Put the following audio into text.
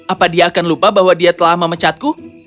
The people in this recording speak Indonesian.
apa dia akan lupa bahwa dia telah memecatku